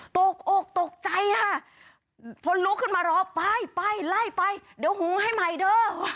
ตกอกตกใจค่ะพอลุกขึ้นมารอไปไปไล่ไปเดี๋ยวหุงให้ใหม่เด้อ